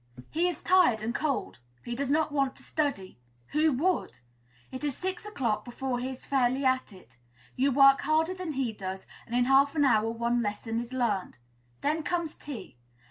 He is tired and cold; he does not want to study who would? It is six o'clock before he is fairly at it. You work harder than he does, and in half an hour one lesson is learned; then comes tea.